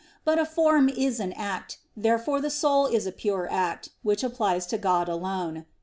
But a form is an act. Therefore the soul is a pure act; which applies to God alone.